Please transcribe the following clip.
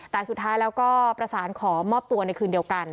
แต่สุดท้ายแล้วก็ประสานขอมอบตัวในคืนเดียวกัน